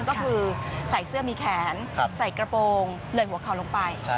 ก็คือใส่เสื้อมีแขนใส่กระโปรงเลยหัวเข่าลงไป